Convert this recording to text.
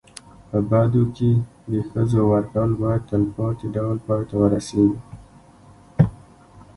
په بدو کي د ښځو ورکول باید تلپاتي ډول پای ته ورسېږي.